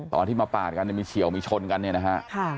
ตอนที่มาปาดกันเนี่ยมีเฉียวมีชนกันเนี่ยนะฮะ